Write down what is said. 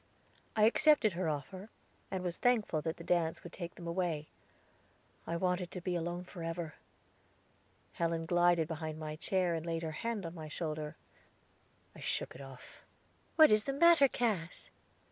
I accepted her offer, and was thankful that the dance would take them away. I wanted to be alone forever. Helen glided behind my chair, and laid her hand on my shoulder; I shook it off. "What is the matter, Cass?"